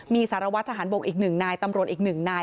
มีสารวัตรทหารบกอีก๑นายตำรวจอีก๑นาย